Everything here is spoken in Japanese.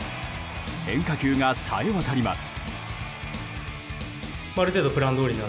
変化球が、さえ渡ります。